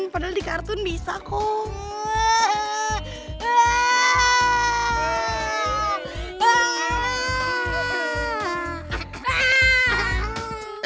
padahal di kartun bisa kok